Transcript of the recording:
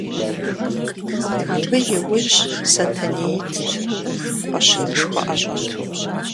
Абы иужь Сэтэней итт, кхъуэщынышхуэ ӏэщӏэту.